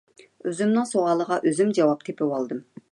ئۆزۈمنىڭ سوئالىغا ئۆزۈم جاۋاب تېپىۋالدىم.